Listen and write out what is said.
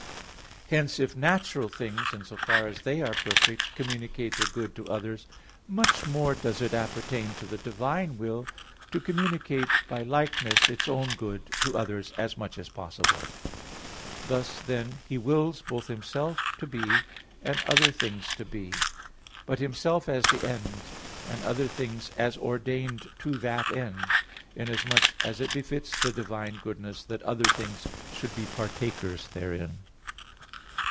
Hence, if natural things, in so far as they are perfect, communicate their good to others, much more does it appertain to the divine will to communicate by likeness its own good to others as much as possible. Thus, then, He wills both Himself to be, and other things to be; but Himself as the end, and other things as ordained to that end; inasmuch as it befits the divine goodness that other things should be partakers therein.